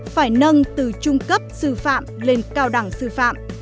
phải nâng từ trung cấp sư phạm lên cao đẳng sư phạm